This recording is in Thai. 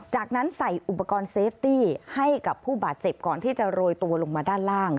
จากนั้นใส่อุปกรณ์เซฟตี้ให้กับผู้บาดเจ็บก่อนที่จะโรยตัวลงมาด้านล่าง